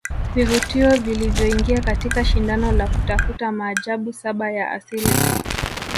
Vivutio vilivyoingia katika shindano la kutafuta maajabu saba ya Asili